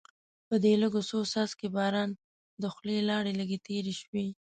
په دې لږو څو څاڅکو باران د خولې لاړې لږې تېرې شوې.